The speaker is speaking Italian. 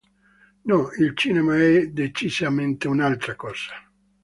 No, il cinema è decisamente un'altra cosa.